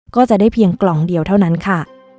ก็จะได้เพียงกล่องเดียวเท่านั้นค่ะ